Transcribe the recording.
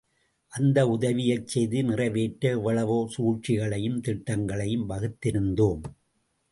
அந்த உதவியைச் செய்து நிறைவேற்ற எவ்வளவோ சூழ்ச்சிகளையும் திட்டங்களையும் வகுத்திருந்தோம்.